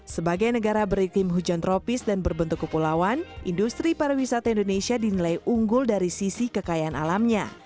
sebagai negara beriktim hujan tropis dan berbentuk kepulauan industri pariwisata indonesia dinilai unggul dari sisi kekayaan alamnya